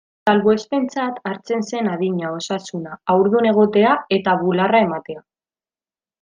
Salbuespentzat hartzen zen adina, osasuna, haurdun egotea eta bularra ematea.